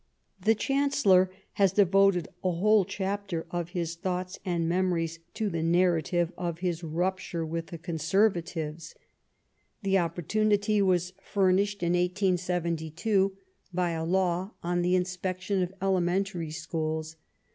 The Chancellor has devoted a whole chapter of his " Thoughts and Memories " to the narrative of his rupture with the Conservatives. 198 Last Fights The opportunity was furnished in 1872 by a law on the inspection of elementary schools.